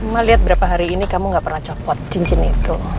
mama lihat berapa hari ini kamu gak pernah copot cincin itu